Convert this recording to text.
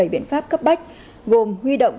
bảy biện pháp cấp bách gồm huy động